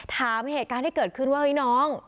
เหตุการณ์ที่เกิดขึ้นว่าเฮ้ยน้อง